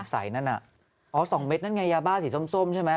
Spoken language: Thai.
สายนั่นอ่ะอ๋อสองเม็ดนั่นไงยาบ้าสีส้มส้มใช่ไหม